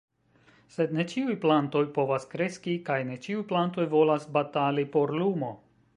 Sed ne ĉiuj plantoj povas kreski, kaj ne ĉiuj plantoj volas batali por lumo.